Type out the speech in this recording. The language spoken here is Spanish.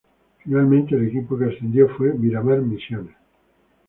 Finalmente el equipo que ascendió fue Miramar Misiones.